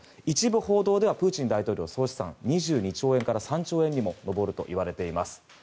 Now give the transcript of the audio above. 一部報道ではプーチン大統領は総資産２２兆円から２３兆円にも上るといわれています。